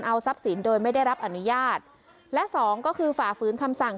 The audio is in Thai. เอาทรัพย์สินโดยไม่ได้รับอนุญาตและสองก็คือฝ่าฝืนคำสั่ง